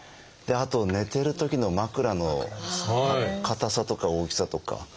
あと寝てるときの枕の硬さとか大きさとか。